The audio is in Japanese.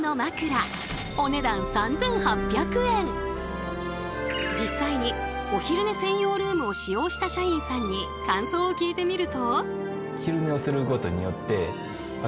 お値段実際にお昼寝専用ルームを使用した社員さんに感想を聞いてみると。